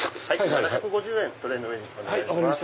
７５０円トレーの上にお願いします。